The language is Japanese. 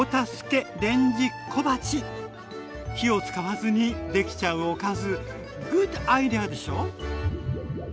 火を使わずにできちゃうおかずグッドアイデアでしょ？